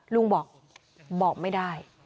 ลุงบอกบอกไม่ได้